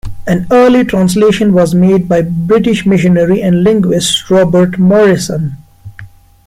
An early translation was made by British missionary and linguist Robert Morrison.